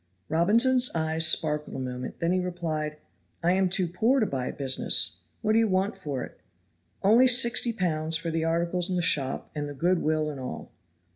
Robinson's eyes sparkled a moment, then he replied, "I am too poor to buy a business. What do you want for it?" "Only sixty pounds for the articles in the shop and the good will and all."